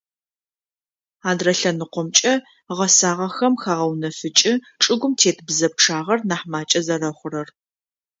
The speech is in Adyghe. Адрэ лъэныкъомкӏэ - гъэсагъэхэм хагъэунэфыкӏы чӏыгум тет бзэ пчъагъэр нахь макӏэ зэрэхъурэр.